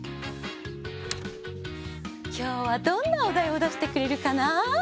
きょうはどんなおだいをだしてくれるかな？